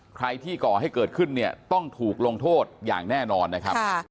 ใครที่ก่อให้เกิดขึ้นเนี่ยต้องถูกลงโทษอย่างแน่นอนนะครับ